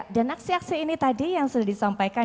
dan aksi aksi ini tadi yang sudah disampaikan